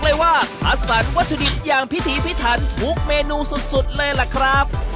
เด่นคือยังไงบ้างคะ